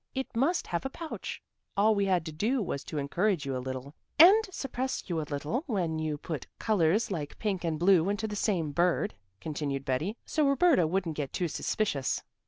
It must have a pouch.' All we had to do was to encourage you a little." "And suppress you a little when you put colors like pink and blue into the same bird," continued Betty, "so Roberta wouldn't get too suspicious."